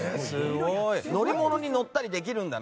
乗り物に乗ったりできるんだね。